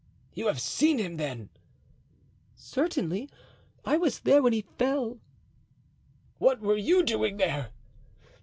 "You have seen him, then?" "Certainly; I was there when he fell." "What were you doing there?"